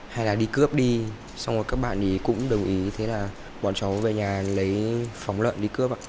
hay là đi cướp đi xong rồi các bạn ý cũng đồng ý thế là bọn cháu về nhà lấy phóng lợn đi cướp